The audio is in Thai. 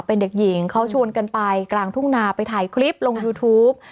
เป็นเด็กหญิงเขาชวนกันไปกลางทุ่งนาไปถ่ายคลิปลงยูทูป